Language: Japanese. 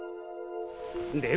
で